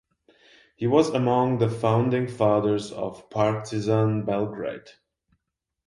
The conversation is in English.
He was among the founding fathers of Partizan Belgrade.